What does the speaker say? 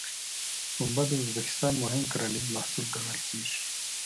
پنبه د ازبکستان مهم کرنیز محصول ګڼل کېږي.